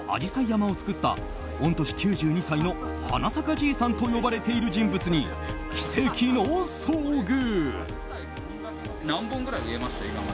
山を作った御年９２歳の花咲かじいさんと呼ばれている人物に奇跡の遭遇。